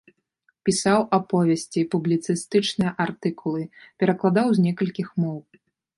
Пісаў аповесці, публіцыстычныя артыкулы, перакладаў з некалькіх моў.